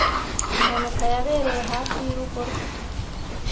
Impanuka yabereye hafi y'urugo rwe.